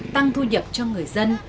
tăng thu nhập cho người dân